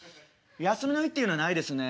「休みの日っていうのはないですね。